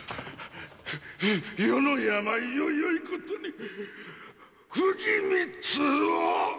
〔余の病をよいことに不義密通を‼〕